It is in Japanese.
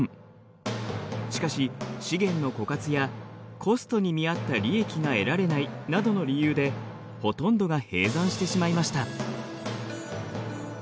しかし資源の枯渇やコストに見合った利益が得られないなどの理由でほとんどが閉山してしまいました。